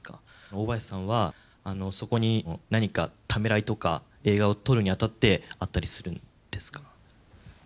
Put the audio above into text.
大林さんはそこに何かためらいとか映画を撮るにあたってあったりするんですか？